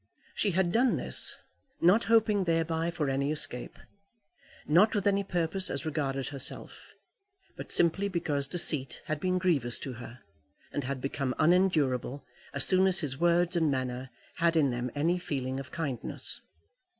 She had done this, not hoping thereby for any escape; not with any purpose as regarded herself, but simply because deceit had been grievous to her, and had become unendurable as soon as his words and manner had in them any feeling of kindness.